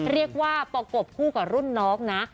เรียกว่าประกบคู่กับรุ่นน้องนะ